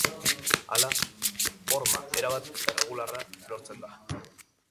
Hala, horma erabat erregularra lortzen da.